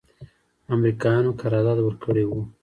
امریکایانو قرارداد ورکړی و.